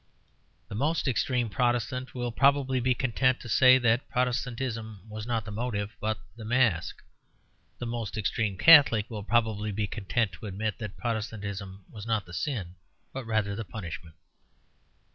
The most extreme Protestant will probably be content to say that Protestantism was not the motive, but the mask. The most extreme Catholic will probably be content to admit that Protestantism was not the sin, but rather the punishment.